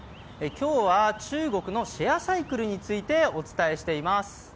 今日は中国のシェアサイクルについてお伝えしています。